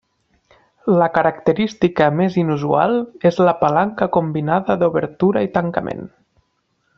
La característica més inusual és la palanca combinada d'obertura i tancament.